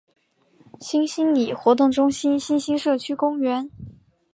新兴里活动中心新兴社区公园